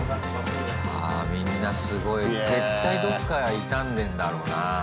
あみんなすごい絶対どっか痛んでんだろうな。